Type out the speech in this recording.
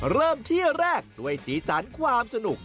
เริ่มที่แรกด้วยสีสันความสนุก